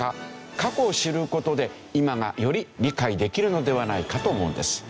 過去を知る事で今がより理解できるのではないかと思うんです。